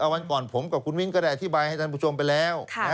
วันก่อนผมกับคุณมิ้นก็ได้อธิบายให้ท่านผู้ชมไปแล้ว